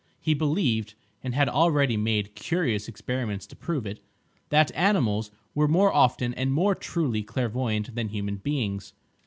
He believed (and had already made curious experiments to prove it) that animals were more often, and more truly, clairvoyant than human beings.